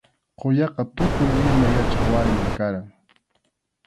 Quyaqa tukuy ima yachaq warmim karqan.